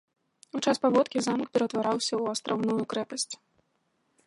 У час паводкі замак ператвараўся ў астраўную крэпасць.